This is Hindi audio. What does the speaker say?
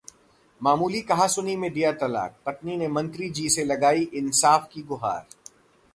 मामूली कहासुनी में दिया तलाक, पत्नी ने मंत्री जी से लगाई इंसाफ की गुहार